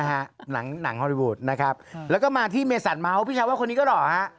หนังฮอลลีวูดนะครับแล้วก็มาที่เมซันเมาส์พี่ชาวว่าคนนี้ก็หล่อฮะ